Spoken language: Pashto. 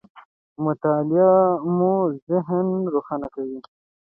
مطالعه مو ذهن روښانه کوي.